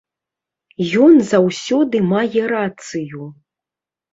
Ён заўсёды мае рацыю.